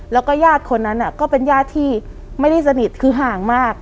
แล้วก็ญาติคนนั้นก็เป็นญาติที่ไม่ได้สนิทคือห่างมาก